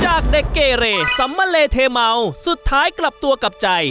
จากเด็กเกเรสัมมะเลเทเมาสุดท้ายกลับตัวกลับใจ